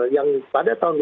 yang pada tahun